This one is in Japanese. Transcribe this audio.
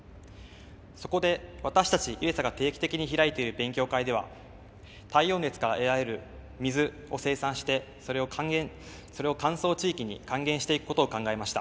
そこで私たちＩＲＥＳＡが定期的に開いている勉強会では太陽熱から得られる水を生産してそれを還元それを乾燥地域に還元していくことを考えました。